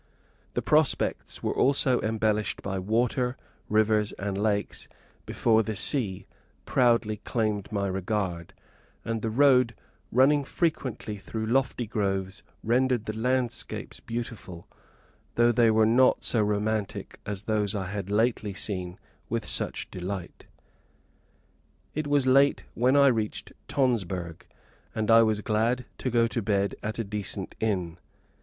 The prospects were also embellished by water, rivers, and lakes before the sea proudly claimed my regard, and the road running frequently through lofty groves rendered the landscapes beautiful, though they were not so romantic as those I had lately seen with such delight. It was late when I reached Tonsberg, and I was glad to go to bed at a decent inn.